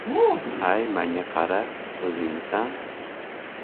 — Hay, manga qara — o‘zingmisan?